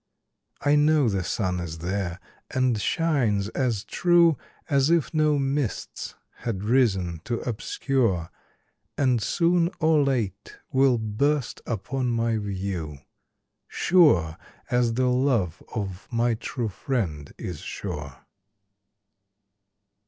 I know the sun is there, and shines as true As if no mists had risen to obscure, And soon or late will burst upon my view, Sure as the love of my true friend is sure.